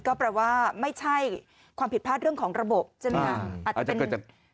ก็แปลว่าไม่ใช่ความผิดพลาดเรื่องของระบบใช่ไหมคะ